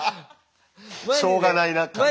しょうがないな感ね。